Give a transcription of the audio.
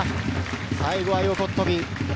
最後は横っ飛び。